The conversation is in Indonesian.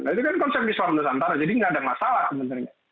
nah itu kan konsep islam nusantara jadi nggak ada masalah sebenarnya